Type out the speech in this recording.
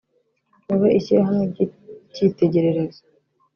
babe ishyirahamwe ry’icyitegererezo